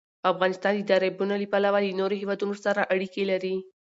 افغانستان د دریابونه له پلوه له نورو هېوادونو سره اړیکې لري.